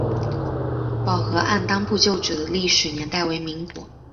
宝和按当铺旧址的历史年代为民国。